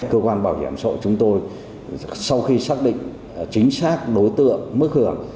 cơ quan bảo hiểm sổ chúng tôi sau khi xác định chính xác đối tượng mức hưởng